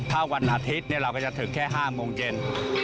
ถ้าวันอาทิตย์เราก็จะถึงแค่๕โมงเย็น